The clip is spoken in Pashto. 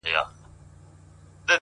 هره هڅه یو نوی امکان جوړوي،